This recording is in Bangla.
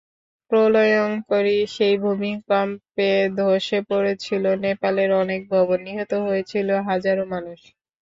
প্রলয়ংকরী সেই ভূমিকম্পে ধসে পড়েছিল নেপালের অনেক ভবন, নিহত হয়েছিল হাজারো মানুষ।